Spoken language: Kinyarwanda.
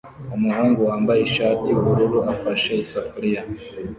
Umuhungu wambaye ishati yubururu afashe isafuriya